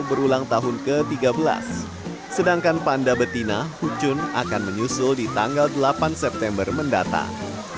berulang tahun ke tiga belas sedangkan panda betina hujun akan menyusul di tanggal delapan september mendatang